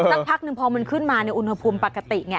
สักพักหนึ่งพอมันขึ้นมาอุณหภูมิปกติไง